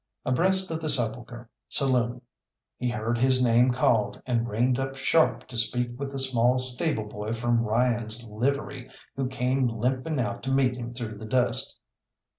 Abreast of the Sepulchre saloon he heard his name called, and reined up sharp to speak with the small stable boy from Ryan's "livery," who came limping out to meet him through the dust.